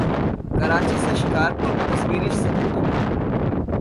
کراچی سے شکارپور تصویری سفرنامہ